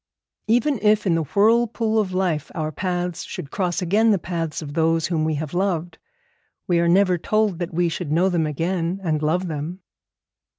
Even if in the whirlpool of life our paths should cross again the paths of those whom we have loved, we are never told that we shall know them again and love them.